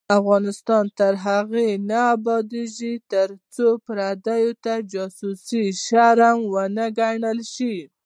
افغانستان تر هغو نه ابادیږي، ترڅو پردیو ته جاسوسي شرم ونه ګڼل شي.